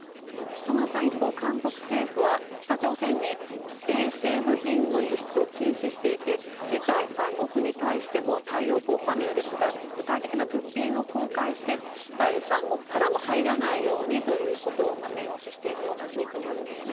名村さん、一方韓国政府は北朝鮮に衛星部品の輸出を禁止していて第三国に対しても太陽光パネルですとか具体的な物品を公開して第三国からも入らないようにということを念押ししているような状況のようですね。